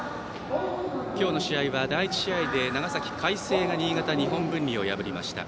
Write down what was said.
今日の試合は第１試合で長崎の海星が新潟・日本文理を破りました。